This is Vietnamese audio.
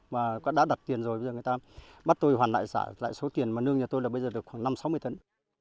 và đã đặt tiền rồi bây giờ người ta bắt tôi hoàn lại sả lại số tiền mà nương nhà tôi là bây giờ được khoảng năm sáu mươi tấn